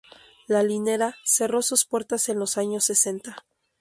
La Linera cerró sus puertas en los años sesenta.